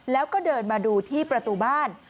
แล้วก็เดินมาดูที่ประตูบ้าน